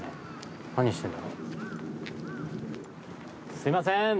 すみません。